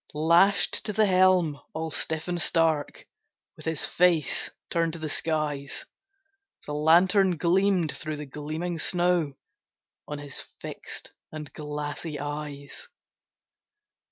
Lashed to the helm, all stiff and stark, With his face turned to the skies, The lantern gleamed through the gleaming snow On his fixed and glassy eyes.